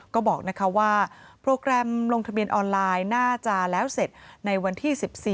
ก็บอกว่าโปรแกรมลงทะเบียนออนไลน์น่าจะแล้วเสร็จในวันที่๑๔